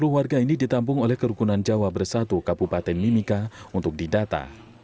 sepuluh warga ini ditampung oleh kerukunan jawa bersatu kabupaten mimika untuk didata